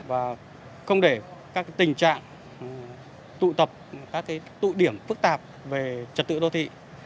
và không để các tình trạng tụ tập các tụ điểm phức tạp về trật tự đô thị